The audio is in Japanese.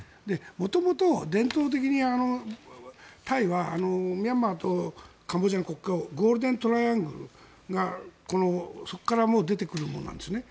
元々、伝統的にタイはミャンマーとカンボジアの国家ゴールデントライアングルがそこから出てくるものなんです。